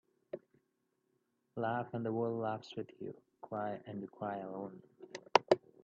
Laugh and the world laughs with you. Cry and you cry alone.